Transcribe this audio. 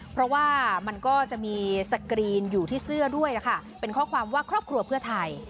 เพราะว่ามันก็จะมีสกรีนอยู่ที่เสื้อด้วยค่ะเป็นข้อความว่าครอบครัวเพื่อไทย